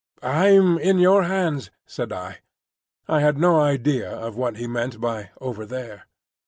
"I'm in your hands," said I. I had no idea of what he meant by "over there."